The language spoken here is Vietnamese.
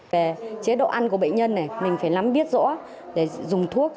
về chế độ ăn của bệnh nhân này mình phải lắm biết rõ để dùng thuốc